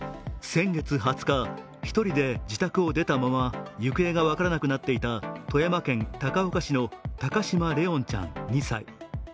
先月２０日、１人で自宅を出たまま行方が分からなくなっていた富山県高岡市の高嶋怜音ちゃん、２歳。